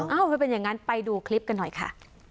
เอ้าว่าเป็นอย่างงั้นไปดูคลิปกันหน่อยค่ะ